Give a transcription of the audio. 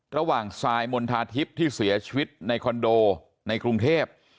ทรายมณฑาทิพย์ที่เสียชีวิตในคอนโดในกรุงเทพ